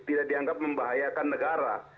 tidak dianggap membahayakan negara